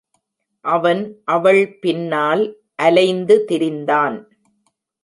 அவன் அவள் பின்னால் அலைந்து திரிந்தான்.